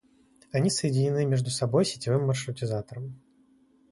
Они соединены между собой сетевым маршрутизатором